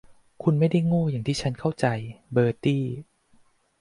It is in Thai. คุณไม่ได้โง่อย่างที่ฉันเข้าใจ เบอร์ตี้